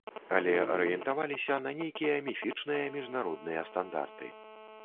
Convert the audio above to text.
Але арыентаваліся на нейкія міфічныя міжнародныя стандарты.